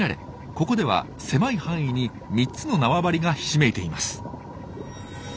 ここでは狭い範囲に３つの縄張りがひしめいています。